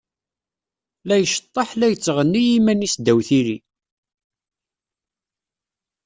La iceṭṭeḥ, la yettɣenni i yiman-is ddaw tili.